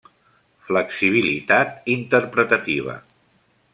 Flexibilitat interpretativa: